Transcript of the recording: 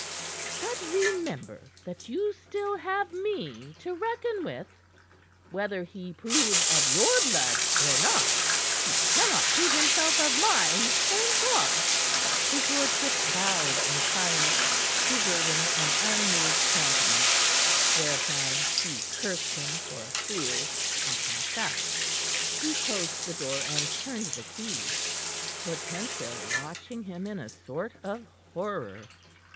But remember that you still have me to reckon with. Whether he prove of your blood or not, he cannot prove himself of mine thank God!" His lordship bowed in silence, preserving an unmoved countenance, whereupon she cursed him for a fool, and passed out. He closed the door, and turned the key, Hortensia watching him in a sort of horror.